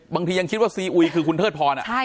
บางทียังคิดว่าซีอุยคือคุณเทิดพร